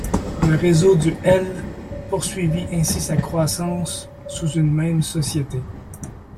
Le réseau du ‘L’ poursuivit ainsi sa croissance sous une même société.